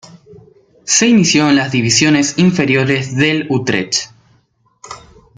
Se inició en las divisiones Inferiores del Utrecht.